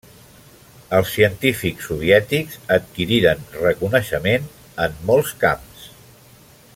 Els científics soviètics adquiriren reconeixement en molts camps.